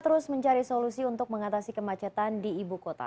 terus mencari solusi untuk mengatasi kemacetan di ibu kota